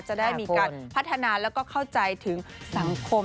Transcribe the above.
จะได้มีการพัฒนาแล้วก็เข้าใจถึงสังคม